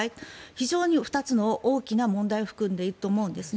非常に２つの大きな問題を含んでいると思います。